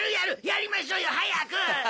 やりましょうよ早く！